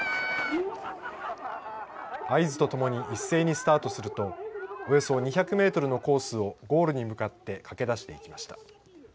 合図とともに一斉にスタートするとおよそ２００メートルのコースをゴールに向かって駆け出していきました。